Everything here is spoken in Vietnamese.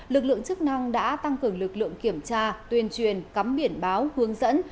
lực lượng chức năng đã tăng cường lực lượng kiểm tra tuyên truyền cắm biển báo hướng dẫn